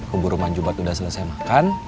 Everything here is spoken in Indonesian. keburu manjubat udah selesai makan